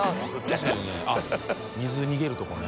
確かにね水逃げるところね。